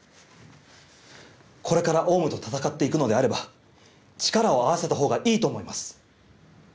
これからオウムと闘って行くのであれば力を合わせたほうがいいと思います。